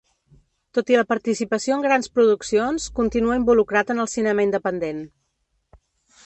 Tot i la participació en grans produccions, continua involucrat en el cinema independent.